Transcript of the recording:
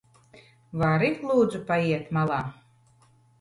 Vari lūdzu paiet malā?